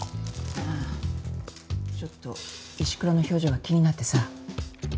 ああちょっと石倉の表情が気になってさ。